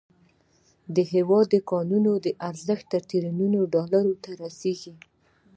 د هیواد د کانونو ارزښت تریلیونونو ډالرو ته رسیږي.